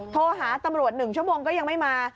โทรหาตำรวจ๑ชั่วโมงก็ยังไม่มา